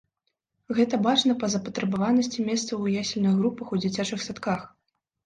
Гэта бачна па запатрабаванасці месцаў у ясельных групах у дзіцячых садках.